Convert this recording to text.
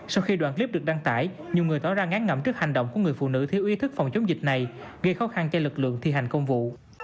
sau khi đoạn clip được đăng tải nhiều người tỏ ra ngán ngẩm trước hành động của người phụ nữ thiếu ý thức phòng chống dịch này gây khó khăn cho lực lượng thi hành công vụ